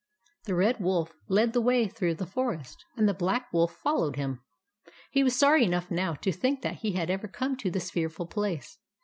The Red Wolf led the way through the Forest, and the Black Wolf followed him. He was sorry enough now, to think that he had ever come to this fearful place.